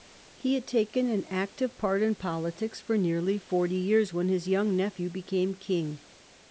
He had taken an active part in politics for nearly forty years when his young nephew became king.